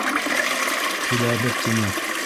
Киләбеҙ, тине.